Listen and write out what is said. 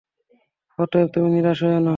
অতএব, তুমি নিরাশ হয়ো না।